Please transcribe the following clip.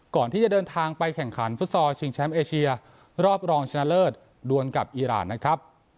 ก่อนที่จะเดินทางไปแข่งขันฟุตซอลชิงแชมป์เอเชียรอบรองชนะเลิศดวนกับอีรานนะครับ